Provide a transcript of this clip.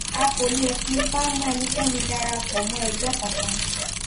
A kò lè fi ipá mú e̟nìké̟ni dara pò̟ mó̟ e̟gbé̟ kankan.